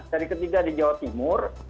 dari ketiga di jawa timur